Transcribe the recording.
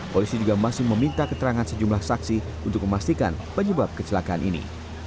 polisi juga masih meminta keterangan sejumlah saksi untuk memastikan penyebab kecelakaan ini